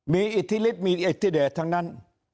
มีอิทธิฤทธิมีอิทธิเดชทั้งนั้น